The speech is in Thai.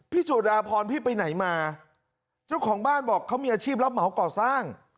สุดาพรพี่ไปไหนมาเจ้าของบ้านบอกเขามีอาชีพรับเหมาก่อสร้าง